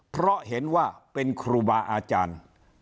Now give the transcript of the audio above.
เพราะเห็นว่าเป็นครูบาอาจารย์